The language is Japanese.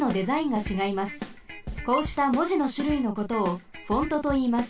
こうしたもじのしゅるいのことをフォントといいます。